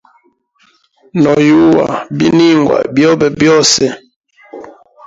No yuwa biningwa byobe byose.